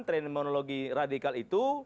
terminologi radikal itu